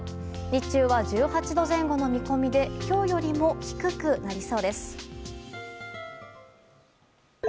日中は１８度前後の見込みで今日よりも低くなりそうです。